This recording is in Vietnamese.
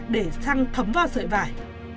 để xăng thấm vào sợi vải